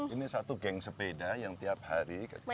ini satu geng sepeda yang tiap hari kita sepeda